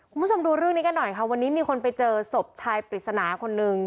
คุณผู้ชมดูเรื่องนี้กันหน่อยค่ะวันนี้มีคนไปเจอศพชายปริศนาคนนึง